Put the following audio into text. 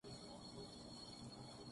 اساتذہ و طلباء کی بڑی تعداد نے شرکت کی